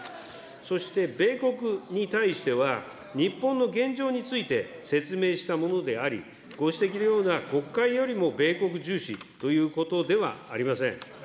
そして、米国に対しては、日本の現状について説明したものであり、ご指摘のような、国会よりも米国重視ということではありません。